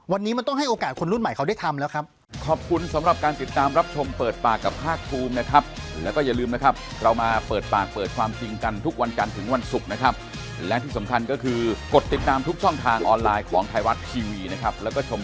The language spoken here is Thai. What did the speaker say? วันนี้มันต้องให้โอกาสคนรุ่นใหม่เขาได้ทำแล้วครับ